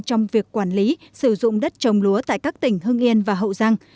trong việc quản lý sử dụng đất trồng lúa tại các tỉnh hưng yên và hậu giang